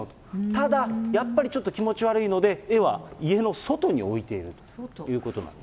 ただ、やっぱりちょっと気持ち悪いので、絵は家の外に置いているということなんです。